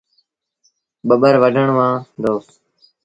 ٻٻر وڍن وهآن دو۔